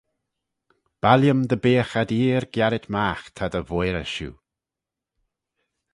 Baill-ym dy beagh ad eer giarit magh ta dy voirey shiu.